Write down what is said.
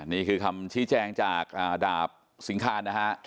นี่คือคำชี้แจงจากดาบสิงคารนะฮะ